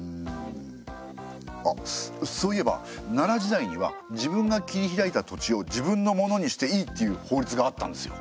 あそういえば奈良時代には自分が切り開いた土地を自分のものにしていいっていう法律があったんですよ。